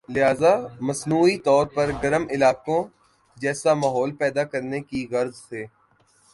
لہذا مصنوعی طور پر گرم علاقوں جیسا ماحول پیدا کرنے کی غرض سے